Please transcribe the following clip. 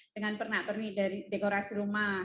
dengan pernah perni dari dekorasi rumah